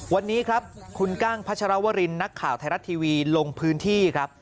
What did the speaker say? วันนี้ครับคุณกั้งพัชรวรินนักข่าวไทยรัฐทีวีลงพื้นที่ครับ